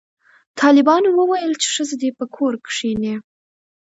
طالبانو ویل چې ښځې دې په کور کښېني